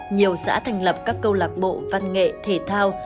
nhiều xã thành lập các câu lạc bộ văn nghệ thể thao